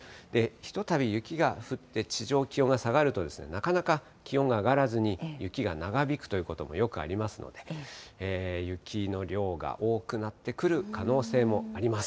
ひとたび雪が降って、地上、気温が下がると、なかなか気温が上がらずに、雪が長引くということもよくありますので、雪の量が多くなってくる可能性もあります。